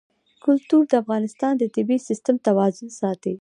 کلتور د افغانستان د طبعي سیسټم توازن ساتي.